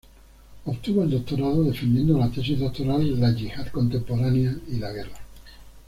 Obtuvo el doctorado defendiendo la tesis doctoral "La Yihad contemporánea y la guerra".